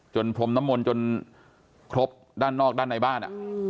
พรมน้ำมนต์จนครบด้านนอกด้านในบ้าน